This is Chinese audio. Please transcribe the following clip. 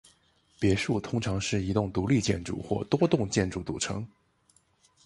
别墅通常是一栋独立建筑或多栋建筑组成。